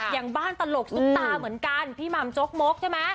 อย่างบ้านตลกซุปตาเหมือนกันพี่หม่ำจกมกใช่ไหม